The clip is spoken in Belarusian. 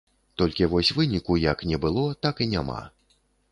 Толькі вось выніку як не было, так і няма.